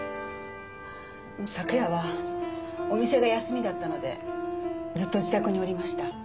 昨夜はお店が休みだったのでずっと自宅におりました。